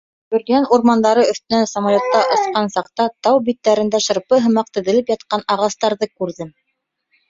Бөрйән урмандары өҫтөнән самолетта осҡан саҡта тау биттәрендә шырпы һымаҡ теҙелеп ятҡан ағастарҙы күрҙем.